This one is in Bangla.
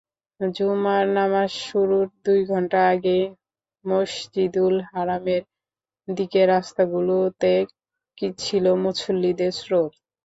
জুমার নামাজ শুরুর দুই ঘণ্টা আগেই মসজিদুল হারামের দিকের রাস্তাগুলোতে ছিল মুসল্লিদের স্রোত।